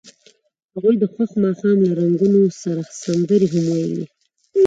هغوی د خوښ ماښام له رنګونو سره سندرې هم ویلې.